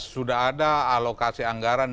sudah ada alokasi anggaran